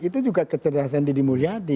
itu juga kecerdasan deddy mulyadi